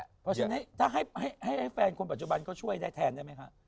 เพราะฉะนั้นให้แฟนปัจจุบันช่วยได้แทนได้มั้ยคะ